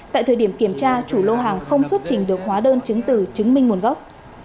tại thời điểm kiểm tra chủ lô hàng không xuất trình được hóa đơn chứng từ chứng minh nguồn gốc